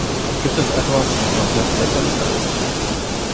Gibt es etwas, das noch lächerlicher ist?